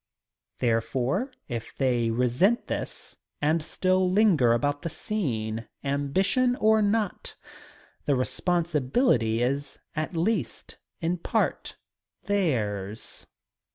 Therefore, if they resent this and still linger about the scene, ambition or not, the responsibility is at least in part theirs.